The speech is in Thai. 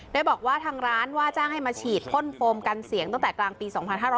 โดยบอกว่าทางร้านว่าจ้างให้มาฉีดพ่นโฟมกันเสียงตั้งแต่กลางปี๒๕๕๙